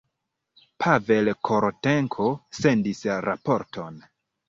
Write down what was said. Pavel Korotenko sendis raporton.